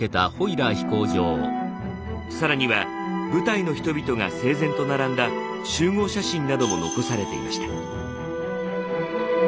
更には部隊の人々が整然と並んだ集合写真なども残されていました。